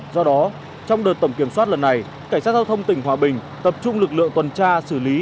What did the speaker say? do đó trong đợt tổng kiểm soát lần này cảnh sát giao thông tỉnh hòa bình tập trung lực lượng tuần tra xử lý